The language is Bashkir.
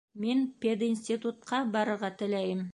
Мин пединститутҡа барырға теләйем